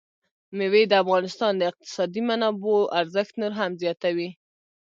مېوې د افغانستان د اقتصادي منابعو ارزښت نور هم زیاتوي.